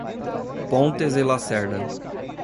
Pontes e Lacerda